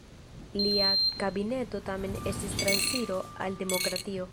Lia kabineto tamen estis transiro al demokratio.